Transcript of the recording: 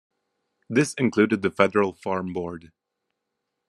This included the Federal Farm Board.